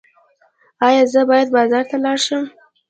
ایا زه باید بازار ته لاړ شم؟